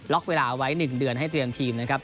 เวลาไว้๑เดือนให้เตรียมทีมนะครับ